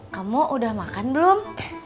kamu udah makan belum